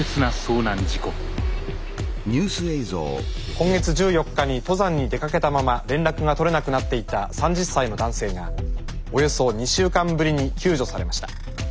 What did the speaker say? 今月１４日に登山に出かけたまま連絡が取れなくなっていた３０歳の男性がおよそ２週間ぶりに救助されました。